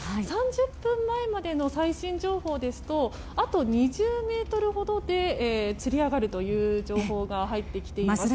３０分前までの最新情報ですとあと２０ｍほどでつり上がるという情報が入ってきています。